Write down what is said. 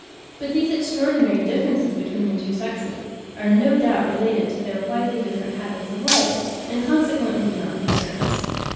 But these extraordinary differences between the two sexes are no doubt related to their widely different habits of life, and consequently do not concern us.